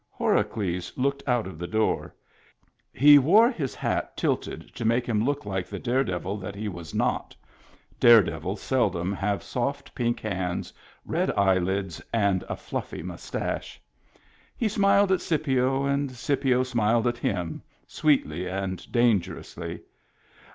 Horacles looked out of the door. He wore his hat tilted to make him look like the dare devil that he was not; dare devils seldom have soft pink hands, red eyelids, and a fluffy mustache. He smiled at Scipio, and Scipio smiled at him, sweetly and dangerously.